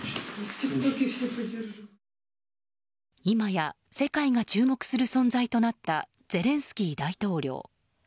今や、世界が注目する存在となったゼレンスキー大統領。